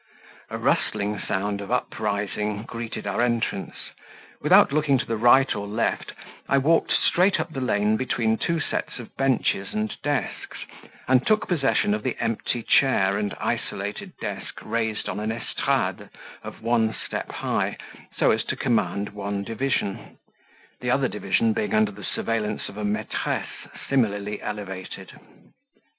A rustling sound of uprising greeted our entrance; without looking to the right or left, I walked straight up the lane between two sets of benches and desks, and took possession of the empty chair and isolated desk raised on an estrade, of one step high, so as to command one division; the other division being under the surveillance of a maitresse similarly elevated.